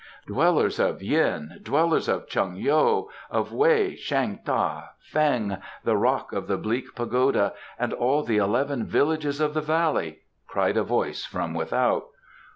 "Dwellers of Yin; dwellers of Chung yo; of Wei, Shan ta, Feng, the Rock of the Bleak Pagoda and all the eleven villages of the valley!" cried a voice from without.